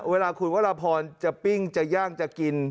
เวลาคุณวรพรจะปิ้งจะย่างจะกิน